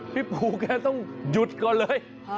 พี่ปูแกต้องหยุดก่อนเลย